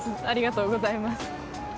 ありがとうございます